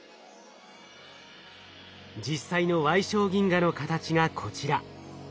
実際の矮小銀河の形がこちら。